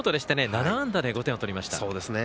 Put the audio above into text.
７安打で５点を取りました。